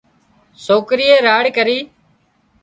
سوڪرِيئي راڙ ڪرِي